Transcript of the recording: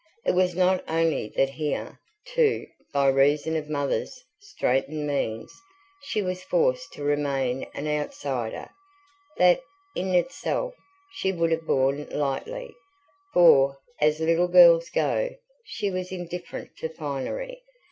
It was not only that here, too, by reason of Mother's straitened means, she was forced to remain an outsider: that, in itself, she would have borne [P.101] lightly; for, as little girls go, she was indifferent to finery.